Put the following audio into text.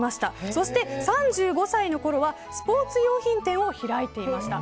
そして３５歳のころはスポーツ用品店を開いていました。